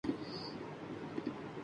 ہم کب ملیں گے؟